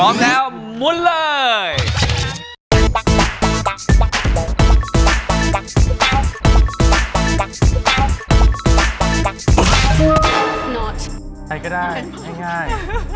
มาครับพร้อมแล้วมุ่นเลย